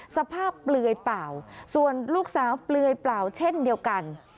เปลือยเปล่าส่วนลูกสาวเปลือยเปล่าเช่นเดียวกัน